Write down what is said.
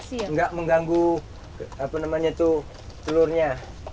tidak mengganggu telurnya